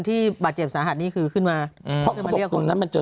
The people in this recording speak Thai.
ที่บาดเจ็บสาหัสนี่คือขึ้นมาอืมเพราะตรงนั้นมันเจอ